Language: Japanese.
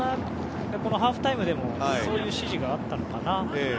ハーフタイムでもそういう指示があったのかな。